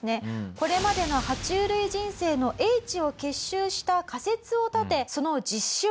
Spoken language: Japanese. これまでの爬虫類人生の叡智を結集した仮説を立てその実証に乗り出します。